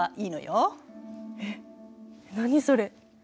えっ何それ？